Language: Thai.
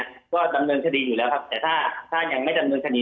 ก็ดำเนินคดีอยู่แล้วครับแต่ถ้าถ้ายังไม่ดำเนินคดี